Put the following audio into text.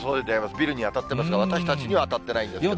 ビルに当たってますが、私たちには当たってないんですけど。